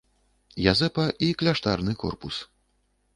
Язэпа і кляштарны корпус.